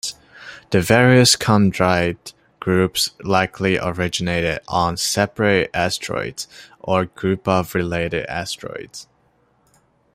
The various chondrite groups likely originated on separate asteroids or groups of related asteroids.